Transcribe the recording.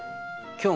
今日？